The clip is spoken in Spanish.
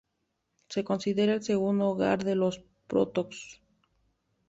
Se considera el segundo hogar de los Protoss.